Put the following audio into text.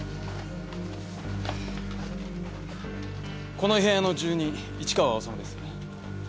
この部屋の住人市川治です。